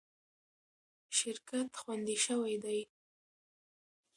شرکت خوندي شوی دی.